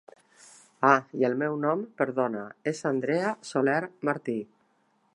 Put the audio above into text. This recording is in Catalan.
Ah i el meu nom perdona és Andrea Soler Martí.